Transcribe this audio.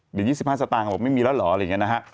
เดี๋ยว๒๕สตางค์บอกไม่มีแล้วเหรออะไรอย่างนี้นะฮะ